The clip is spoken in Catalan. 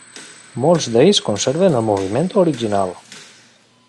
Molts d'ells conserven el moviment original.